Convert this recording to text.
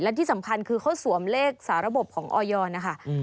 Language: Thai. และที่สำคัญคือเขาสวมเลขสาระบบของออยนะคะ